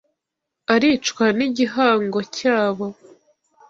Aricwa n'igihango cyabo